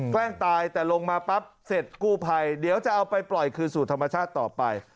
แกล้งตายแต่ลงมาปั๊บเสร็จกู้ภัยเดี๋ยวจะเอาไปปล่อยคืนสู่ธรรมชาติต่อไป